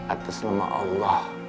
atas nama allah